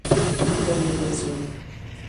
Em nebeziyane.